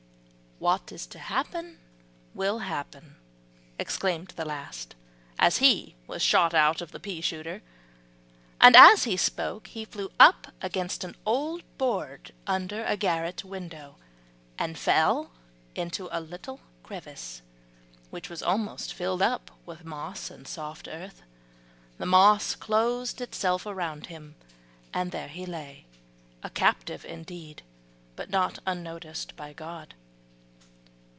"What is to happen will happen," exclaimed the last, as he was shot out of the pea shooter; and as he spoke he flew up against an old board under a garret window, and fell into a little crevice, which was almost filled up with moss and soft earth. The moss closed itself round him, and there he lay, a captive indeed, but not unnoticed by God.